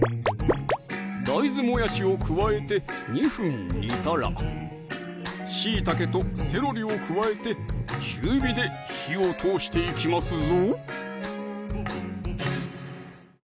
大豆もやしを加えて２分煮たらしいたけとセロリを加えて中火で火を通していきますぞ